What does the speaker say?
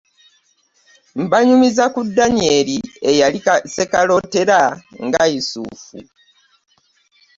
Mbanyumiza ku Daniyeli eyali ssekalotera nga Yusuufu .